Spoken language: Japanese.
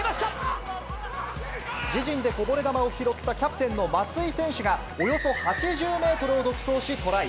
自陣でこぼれ球を拾ったキャプテンの松井選手が、およそ８０メートルを独走しトライ。